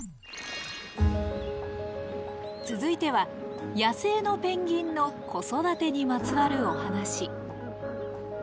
続いては野生のペンギンの子育てにまつわるお話。